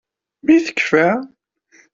Mi tekkfa.